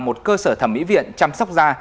một cơ sở thẩm mỹ viện chăm sóc da